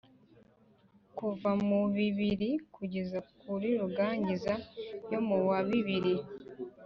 kuva mu bibiri kugera kuri rurangiza yo mu wa bibiri,